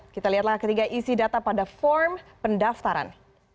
kita lihat langkah ketiga isi data pada form pendaftaran